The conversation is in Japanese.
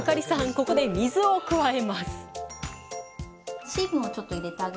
ここで水を加えます！